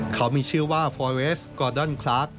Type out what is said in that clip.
เขามีชื่อว่าฟอเรสกอร์ดอนคลัก